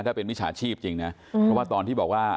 ถ้าเป็นมิจฉาชีพจริงนะเพราะว่าตอนที่บอกว่า